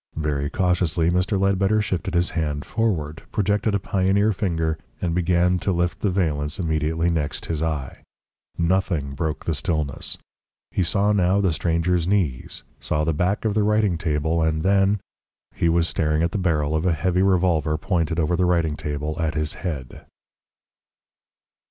Very cautiously Mr. Ledbetter shifted his hand forward, projected a pioneer finger, and began to lift the valance immediately next his eye. Nothing broke the stillness. He saw now the stranger's knees, saw the back of the writing table, and then he was staring at the barrel of a heavy revolver pointed over the writing table at his head.